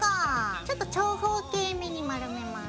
ちょっと長方形めに丸めます。